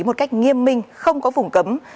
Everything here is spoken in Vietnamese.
một cách nghiêm minh không có vùng cấm